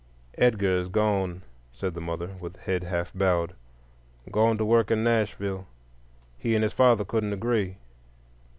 "Edgar is gone," said the mother, with head half bowed,—"gone to work in Nashville; he and his father couldn't agree."